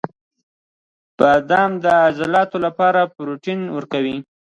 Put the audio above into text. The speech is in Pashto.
• بادام د عضلاتو لپاره پروټین ورکوي.